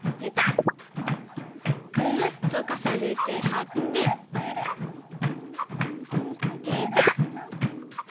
ぐるっとかさねてはってペタッ！